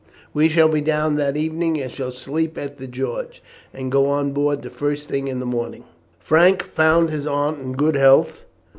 We shall be down that evening, and shall sleep at the George, and go on board the first thing in the morning." Frank found his aunt in good health.